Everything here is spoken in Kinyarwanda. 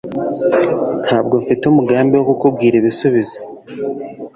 Ntabwo mfite umugambi wo kukubwira ibisubizo.